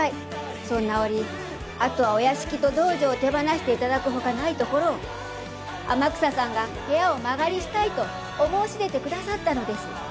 そんな折あとはお屋敷と道場を手放していただく他ないところを天草さんが部屋を間借りしたいとお申し出てくださったのです。